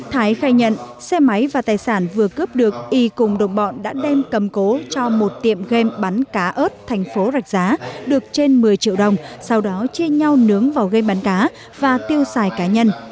thái khai nhận xe máy và tài sản vừa cướp được y cùng đồng bọn đã đem cầm cố cho một tiệm game bắn cá ớt thành phố rạch giá được trên một mươi triệu đồng sau đó chia nhau nướng vào game bắn cá và tiêu xài cá nhân